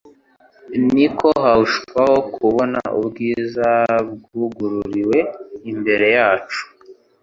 ni ko huwshaho kubona ubwiza bwugururiwe imbere yacu;